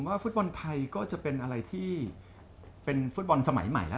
แมทตอนที่จอดันไทยเนสซันโดนใบแดง